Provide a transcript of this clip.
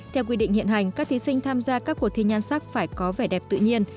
theo quy định hiện hành các thí sinh tham gia các cuộc thi nhan sắc phải có vẻ đẹp tự nhiên